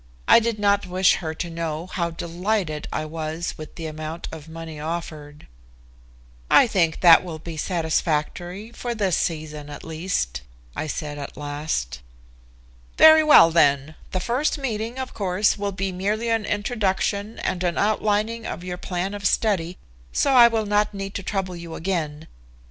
I did not wish her to know how delighted I was with the amount of money offered. "I think that will be satisfactory for this season, at least," I said at last. "Very well, then. The first meeting, of course, will be merely an introduction and an outlining of your plan of study, so I will not need to trouble you again.